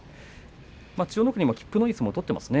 千代の国は、きっぷのいい相撲を取っていますね。